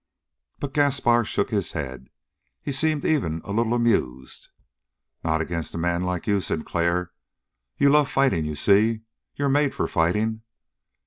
But Gaspar shook his head. He seemed even a little amused. "Not against a man like you, Sinclair. You love fighting, you see. You're made for fighting.